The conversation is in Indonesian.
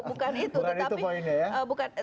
bukan itu poinnya ya